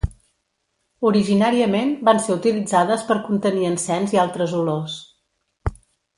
Originàriament van ser utilitzades per contenir encens i altres olors.